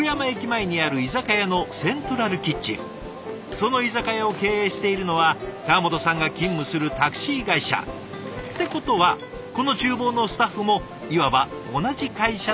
その居酒屋を経営しているのは川本さんが勤務するタクシー会社。ってことはこの厨房のスタッフもいわば同じ会社の同僚。